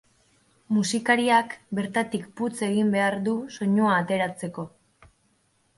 Musikariak, bertatik putz egin behar du soinua ateratzeko.